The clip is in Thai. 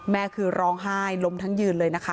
คือร้องไห้ล้มทั้งยืนเลยนะคะ